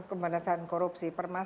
kita udah tau dulu kalau sekarang